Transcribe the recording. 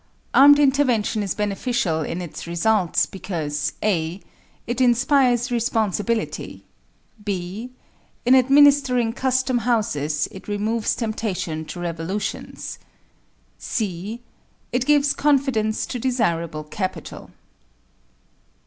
Armed intervention is beneficial in its results, because (a) It inspires responsibility (b) In administering custom houses it removes temptation to revolutions (c) It gives confidence to desirable capital.